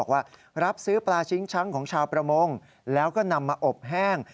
ว่ารับซื้อปลาชิงช้างของชาวประมงแล้วก็นำมาอบแห้ง